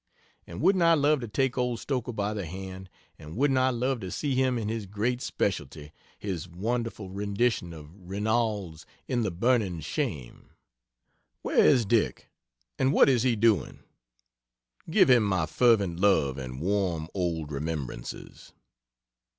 And wouldn't I love to take old Stoker by the hand, and wouldn't I love to see him in his great specialty, his wonderful rendition of "Rinalds" in the "Burning Shame!" Where is Dick and what is he doing? Give him my fervent love and warm old remembrances.